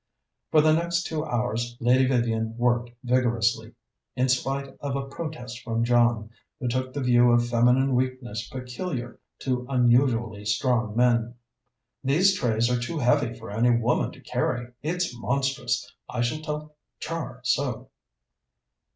For the next two hours Lady Vivian worked vigorously, in spite of a protest from John, who took the view of feminine weakness peculiar to unusually strong men. "These trays are too heavy for any woman to carry! It's monstrous! I shall tell Char so."